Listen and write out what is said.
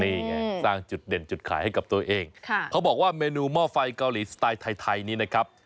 นี่ไงสร้างจุดเด่นจุดขายให้กับตัวเองเขาบอกว่าเมนูหม้อไฟเกาหลีสไตล์ไทยไทยนี้นะครับ